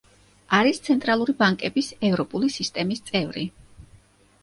არის ცენტრალური ბანკების ევროპული სისტემის წევრი.